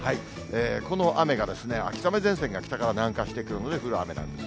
この雨が、秋雨前線が北から南下してくるので降る雨なんです。